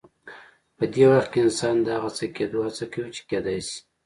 په دې وخت کې انسان د هغه څه کېدو هڅه کوي چې کېدای شي.